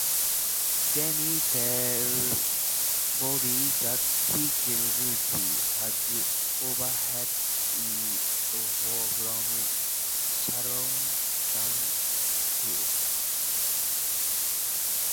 Dennis tells Bobby that he killed Lucy, having overheard it from Sharon and Phil.